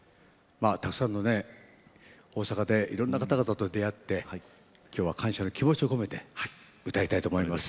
たくさんのね大阪でいろんな方々と出会って今日は感謝の気持ちを込めて歌いたいと思います。